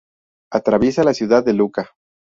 Atraviesa la ciudad de Lucca.